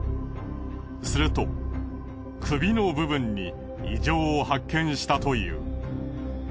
すると首の部分に異常を発見したという。